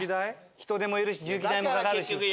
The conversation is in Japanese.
人手もいるし重機代もかかるし。